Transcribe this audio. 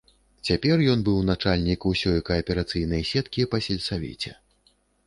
Цяпер ён быў начальнік усёй кааперацыйнай сеткі па сельсавеце.